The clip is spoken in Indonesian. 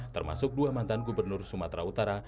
termasuk dua mantan gubernur sumatera utara